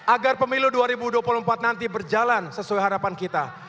agar pemilu dua ribu dua puluh empat nanti berjalan sesuai harapan kita